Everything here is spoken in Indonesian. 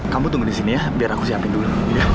kamu tunggu disini ya biar aku siapin dulu